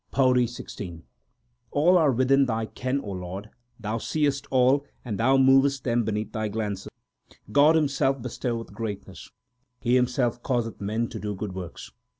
PAURI XVI All are within Thy ken, O Lord ; Thou seest all, and Thou movest them beneath Thy glance. God himself bestoweth greatness ; He Himself causeth men to do good works.